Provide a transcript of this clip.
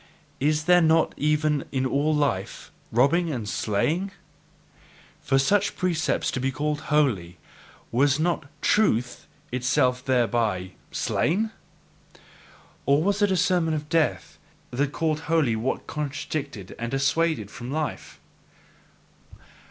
Is there not even in all life robbing and slaying? And for such precepts to be called holy, was not TRUTH itself thereby slain? Or was it a sermon of death that called holy what contradicted and dissuaded from life?